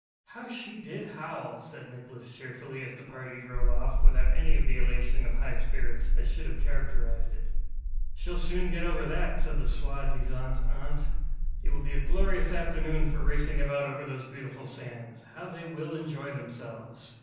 ŌĆ£How she did howl, ŌĆØ said Nicholas cheerfully, as the party drove off without any of the elation of high spirits that should have characterised it. ŌĆ£SheŌĆÖll soon get over that, ŌĆØ said the soi disant aunt; ŌĆ£it will be a glorious afternoon for racing about over those beautiful sands. How they will enjoy themselves!